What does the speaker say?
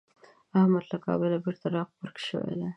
احمد له کابله بېرته راغبرګ شوی دی.